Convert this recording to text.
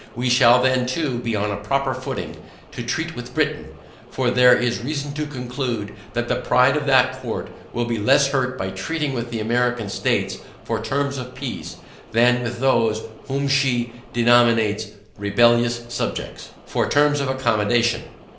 We shall then too, be on a proper footing, to treat with Britain; for there is reason to conclude, that the pride of that court, will be less hurt by treating with the American states for terms of peace, than with those, whom she denominates, "rebellious subjects," for terms of accommodation.